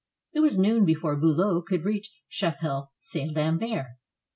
It was noon before Billow could reach Chapelle St. Lambert.